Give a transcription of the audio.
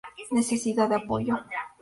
Necesidad de apoyo.